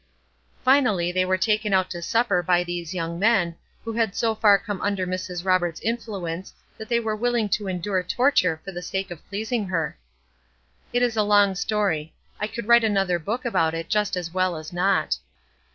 Finally, they were taken out to supper by these young men, who had so far come under Mrs. Robert's' influence that they were willing to endure torture for the sake of pleasing her. It is a long story. I could write another book about it just as well as not.